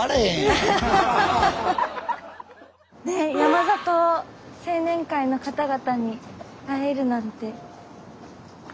山里青年会の方々に会えるなんて。